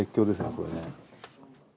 これね。